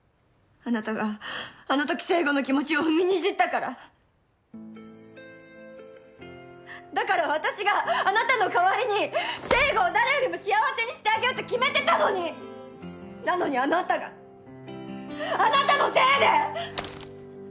あなたがあの時成吾の気持ちを踏みにじったからだから私があなたの代わりに成吾を誰よりも幸せにしてあげようって決めてたのになのにあなたがあなたのせいで！